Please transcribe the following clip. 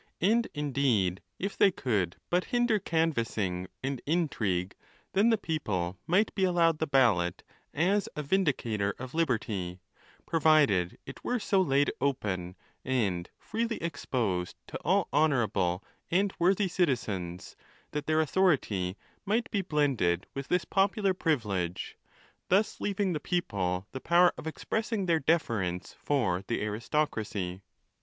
And indeed, if they could but hinder canvassing and imtrigue, then the people might be'allowed the ballot as a vindicator of liberty, provided it were so laid open and freely exposed to all honourable and worthy citizens, that their authority might be blended' with this popular privilege, thus leaving the people the power of expressing their deference for the aristocracy.